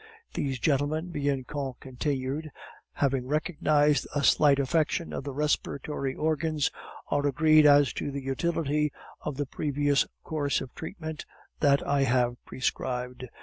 "These gentlemen," Bianchon continued, "having recognized a slight affection of the respiratory organs, are agreed as to the utility of the previous course of treatment that I have prescribed.